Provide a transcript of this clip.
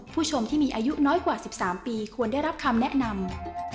ผู้ชมที่มีอายุน้อยกว่า๑๓ปีควรได้รับคำแนะนำ